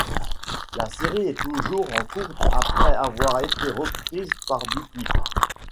La série est toujours en cours après avoir été reprise par Dupuis.